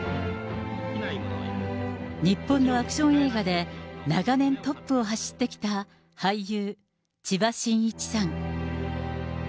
日本のアクション映画で長年トップを走ってきた俳優、千葉真一さん。